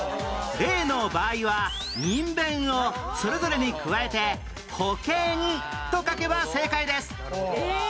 例の場合はにんべんをそれぞれに加えて「保健」と書けば正解です